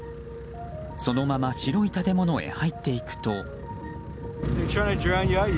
そのまま白い建物へ入っていくと。